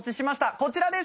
こちらです！